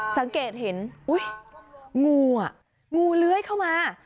สังเกตเห็นอุ๊ยงูอ่ะงูเลื้อยเข้ามา